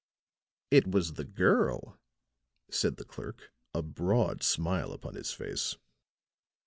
"It was the girl," said the clerk, a broad smile upon his face.